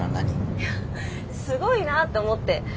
いやすごいなと思って。